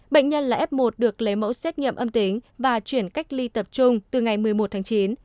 bệnh nhân là f một được lấy mẫu xét nghiệm âm tính và chuyển cách ly tập trung từ ngày một mươi một tháng chín